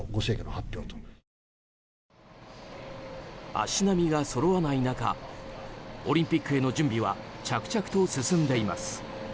足並みがそろわない中オリンピックへの準備は着々と進んでいます。